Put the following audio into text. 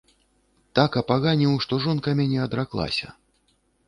Так апаганіў, што жонка мяне адраклася.